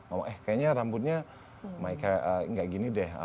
ngomong eh kayaknya rambutnya nggak gini deh